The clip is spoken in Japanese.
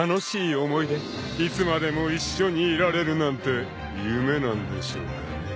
［いつまでも一緒にいられるなんて夢なんでしょうかね？］